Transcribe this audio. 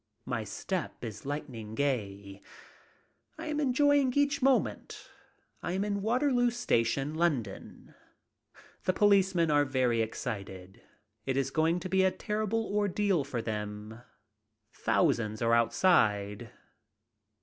My step is lightning gay. I am enjoying each moment. I am in Waterloo station, London. The policemen are very excited. It is going to be a ter rible ordeal for them. Thousands are outside.